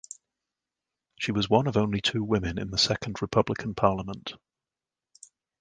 She was one of only two women in the Second Republican parliament.